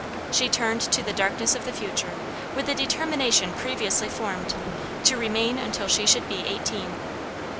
She turned to the darkness of the future with the determination previously formed, to remain until she should be eighteen.